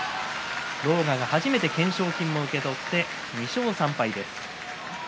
狼雅が初めて懸賞金を受け取って２勝３敗です。